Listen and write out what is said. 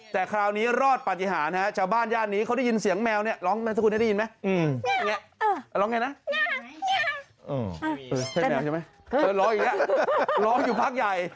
เธอร้องอย่างนี้ร้องอยู่พักใหญ่